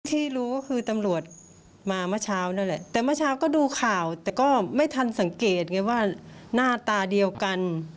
ที่รู้ก็คือตำรวจมาเมื่อเช้านั่นแหละแต่เมื่อเช้าก็ดูข่าวแต่ก็ไม่ทันสังเกตไงว่าหน้าตาเดียวกัน